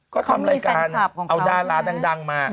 ก็ทำรายการเอาดาราดังมา